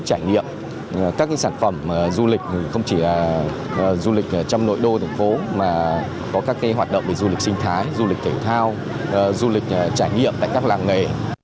trải nghiệm các sản phẩm du lịch không chỉ là du lịch trong nội đô thành phố mà có các hoạt động về du lịch sinh thái du lịch thể thao du lịch trải nghiệm tại các làng nghề